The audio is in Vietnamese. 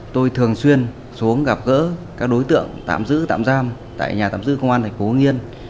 tôi thường xuyên xuống gặp gỡ các đối tượng tạm giữ tạm giam tại nhà tạm giữ công an thành phố nghiên